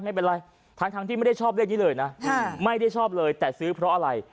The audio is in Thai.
ไม่เป็นไรทั้งที่ไม่ได้ชอบเลขนี้เลยนะไม่ได้ชอบเลยแต่ซื้อเพราะอะไร